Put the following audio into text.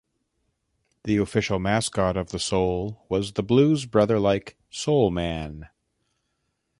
The official mascot of the Soul was the Blues Brother-like "Soul Man".